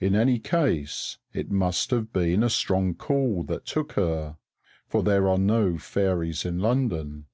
In any case it must have been a strong call that took her: for there are no fairies in London.